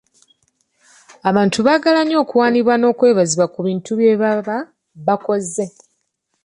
Abantu abaagala ennyo okuwaanibwa n'okwebazibwa ku bintu bye baba bakoze.